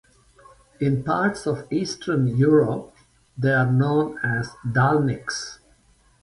In parts of Eastern Europe, they are known as dalniks.